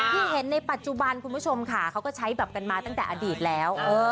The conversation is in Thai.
ที่เห็นในปัจจุบันคุณผู้ชมค่ะเขาก็ใช้แบบกันมาตั้งแต่อดีตแล้ว